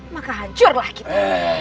maka hancurlah kita